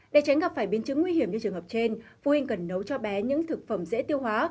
để tránh gặp phải biến chứng nguy hiểm như trường hợp trên phụ huynh cần nấu cho bé những thực phẩm dễ tiêu hóa